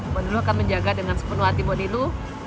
mbok milo akan menjaga dengan sepenuh hati mbok milo